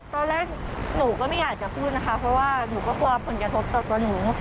ตอนแรกหนูก็ไม่อยากจะพูดนะคะเพราะว่าหนูก็กลัวผลกระทบต่อตัวหนู